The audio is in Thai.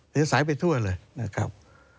สายไปทั่วเลยนะครับ